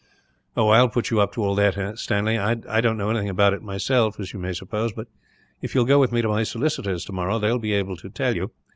"I will put you up to all that, Stanley. I don't know anything about it myself, as you may suppose; but if you will go with me to my solicitors, tomorrow, they will be able to tell you.